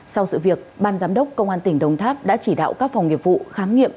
sau sự việc ban giám đốc công an tỉnh đồng tháp đã chỉ đạo các phòng nghiệp vụ khám nghiệm